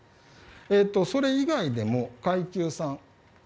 それ以外でも階級３。